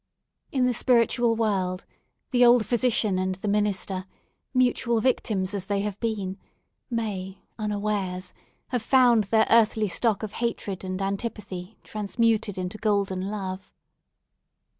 In the spiritual world, the old physician and the minister—mutual victims as they have been—may, unawares, have found their earthly stock of hatred and antipathy transmuted into golden love.